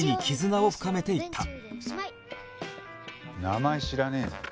名前知らねえもん。